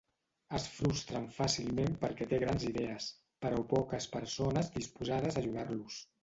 Es frustren fàcilment perquè té grans idees, però poques persones disposades a ajudar-los.